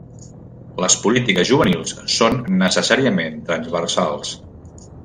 Les polítiques juvenils són necessàriament transversals.